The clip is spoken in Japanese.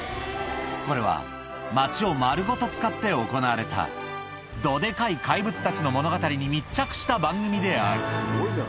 これは、町を丸ごと使って行われた、どでかい怪物たちの物語に密着した番組である。